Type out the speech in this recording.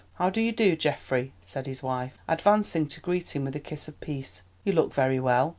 "How do you do, Geoffrey?" said his wife, advancing to greet him with a kiss of peace. "You look very well.